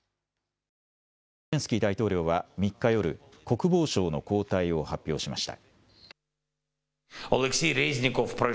ゼレンスキー大統領は３日夜、国防相の交代を発表しました。